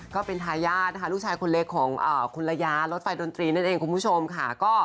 ก็เป็นทายาทนะคะลูกชายคนเล็กของคุณระยารถไฟดนตรีนั่นเองคุณผู้ชมค่ะ